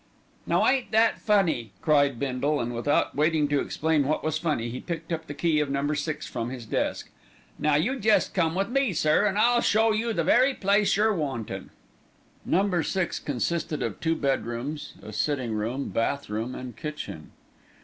"Now ain't that funny!" cried Bindle, and without waiting to explain what was funny, he picked up the key of Number Six from his desk. "Now you jest come with me, sir, an' I'll show you the very place you're wantin'." Number Six consisted of two bedrooms, a sitting room, bath room and kitchen.